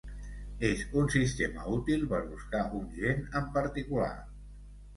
És un sistema útil per buscar un gen en particular.